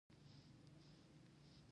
د سوډیم دوهم قشر اته الکترونونه لري.